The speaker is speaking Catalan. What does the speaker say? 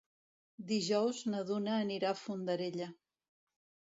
Dijous na Duna anirà a Fondarella.